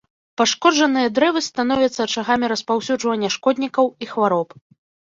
Пашкоджаныя дрэвы становяцца ачагамі распаўсюджвання шкоднікаў і хвароб.